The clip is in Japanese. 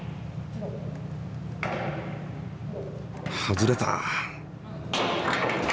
外れた！